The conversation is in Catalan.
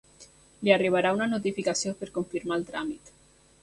Li arribarà una notificació per confirmar el tràmit.